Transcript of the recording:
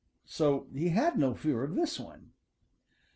So he had no fear of this one.